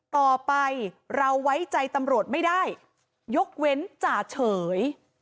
ต่อไปเราไว้ใจตำรวจไม่ได้ยกเว้นจ่าเฉย